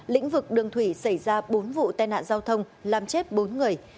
lĩnh vực đường thủy xảy ra bốn vụ tai nạn giao thông làm chết bốn người